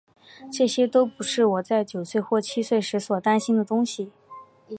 这些都不是我在九岁或七岁时所担心的东西。